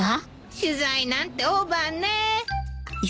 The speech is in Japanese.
取材なんてオーバーね。